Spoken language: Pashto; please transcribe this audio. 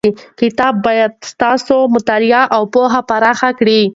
کتاب باید ستاسو معلومات او پوهه پراخه کړي.